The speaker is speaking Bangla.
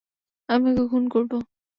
আমি ওকে খুন করব!